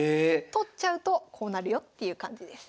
取っちゃうとこうなるよっていう感じです。